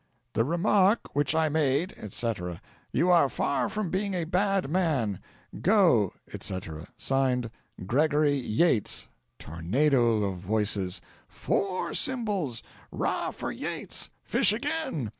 "'The remark which I made,' etc. 'You are far from being a bad man. Go,' etc. Signed, 'Gregory Yates.'" Tornado of Voices. "Four Symbols!" "'Rah for Yates!" "Fish again!"